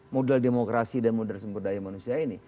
modal demokrasi dan modal sumber daya manusia ini